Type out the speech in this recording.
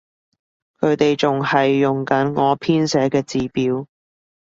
佢哋仲係用緊我編寫嘅字表